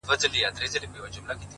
• تا چي هر څه زیږولي غلامان سي ,